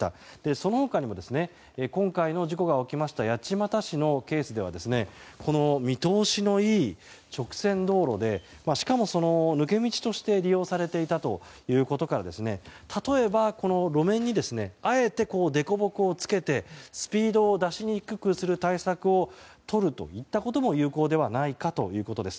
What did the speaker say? その他にも今回の事故が起きた八街市のケースでは見通しのいい直線道路でしかも、抜け道として利用されていたということから例えば、この路面にあえて凸凹をつけてスピードを出しにくくするための対策をとるといったことも有効ではないかということです。